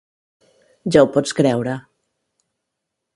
Ja ho pots creure.